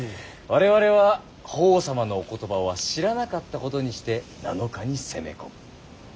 我々は法皇様のお言葉は知らなかったことにして７日に攻め込む。